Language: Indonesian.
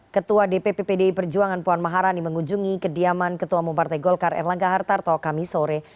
ketua dpp pdi perjuangan puan maharani mengunjungi kediaman ketua umum partai golkar erlangga hartarto kami sore